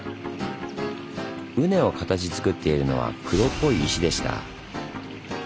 畝を形づくっているのは黒っぽい石でした。